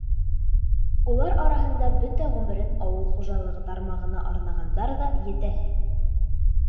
Улар араһында бөтә ғүмерен ауыл хужалығы тармағына арнағандар ҙа етәһе.